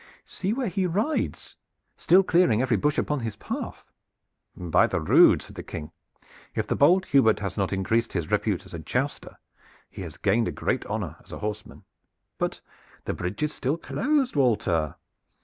See where he rides, still clearing every bush upon his path." "By the rood!" said the King, "if the bold Hubert has not increased his repute as a jouster he has gained great honor as a horseman. But the bridge is still closed, Walter.